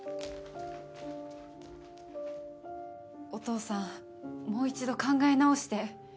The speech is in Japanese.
お父さんもう一度考え直して。